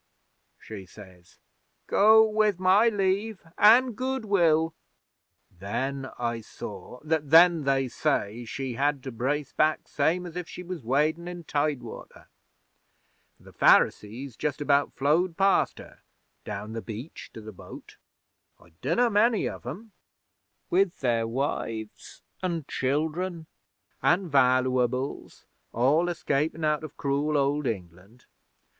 she says. "Go with my Leave an' Goodwill." 'Then I saw then, they say, she had to brace back same as if she was wadin' in tide water; for the Pharisees just about flowed past her down the beach to the boat, I dunnamany of 'em with their wives an' childern an' valooables, all escapin' out of cruel Old England.